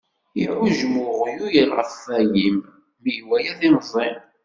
Iɛujjem uɣyul ɣef walim, mi iwala timẓin.